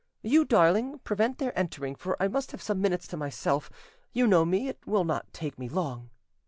You, darling, prevent their entering, for I must have some minutes to myself: you know me; it will not take me long."